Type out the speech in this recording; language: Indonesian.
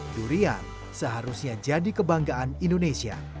durian seharusnya jadi kebanggaan indonesia